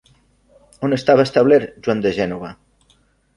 On estava establert Joan de Gènova?